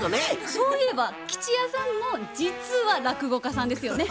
そういえば吉弥さんも実は落語家さんですよね？